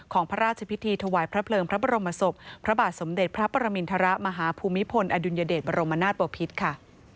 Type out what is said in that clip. พระราชพิธีถวายพระเพลิงพระบรมศพพระบาทสมเด็จพระปรมินทรมาฮภูมิพลอดุลยเดชบรมนาศบพิษค่ะ